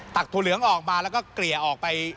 ถั่วเหลืองออกมาแล้วก็เกลี่ยออกไป